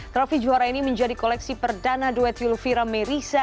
trophy juara ini menjadi koleksi perdana duet yulvira merisa